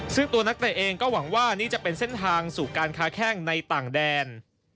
ซึ่งตัวนักเตะเองก็หวังว่านี่จะเป็นเส้นทางสู่การค้าแข้งในต่างแดน